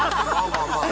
まあまあ